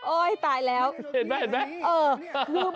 โอ๊ยตายแล้วเห็นมั้ยเห็นมั้ย